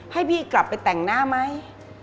ให้พี่กลับไปแต่งหน้าไหม